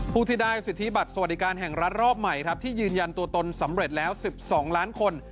ผู้ที่ได้สิทธิบัตรสวัสดิการแห่งรัฐรอบใหม่ครับที่ยืนยันตัวตนสำเร็จแล้ว๑๒ล้านคน